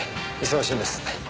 忙しいんです。